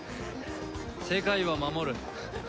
世界は守る。